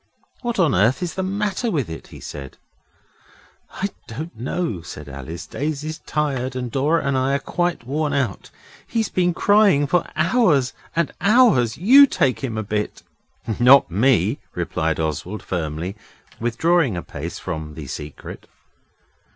'What on earth is the matter with it?' he said. 'I don't know,' said Alice. 'Daisy's tired, and Dora and I are quite worn out. He's been crying for hours and hours. YOU take him a bit.' 'Not me,' replied Oswald, firmly, withdrawing a pace from the Secret.